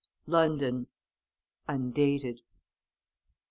LONDON. (Undated.)